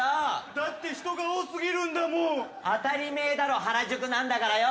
だって人が多すぎるんだもん当たり前だろ原宿なんだからよ！